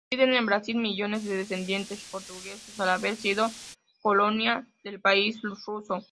Residen en Brasil millones de descendientes portugueses, al haber sido colonia del país luso.